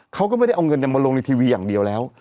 เขาก็ไม่ได้เอาเงินมาลงในทีวีอย่างเดียวแล้ว